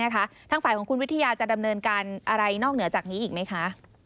ทางฝ่ายของคุณวิทยาจะดำเนินการอะไรนอกเหนือจากนี้อีกไหมคะ